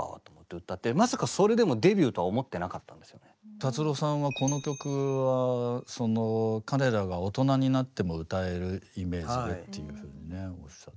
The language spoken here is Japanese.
達郎さんはこの曲はその彼らが大人になっても歌えるイメージでっていうふうにねおっしゃって。